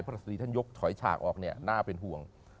สตรีท่านยกถอยฉากออกเนี่ยน่าเป็นห่วง